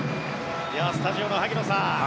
スタジオの萩野さん